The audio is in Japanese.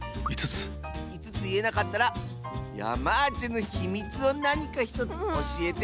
５ついえなかったらヤマーチェのひみつをなにか１つおしえてもらうよ。